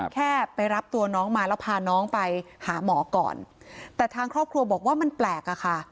แค่ไปรับตัวน้องมาแล้วพาน้องไปหาหมอก่อนแต่ทางครอบครัวบอกว่ามันแปลกอะค่ะ